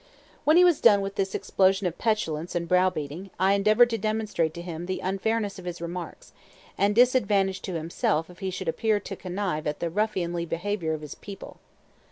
When he was done with this explosion of petulance and brow beating, I endeavored to demonstrate to him the unfairness of his remarks, and the disadvantage to himself if he should appear to connive at the ruffianly behavior of his people.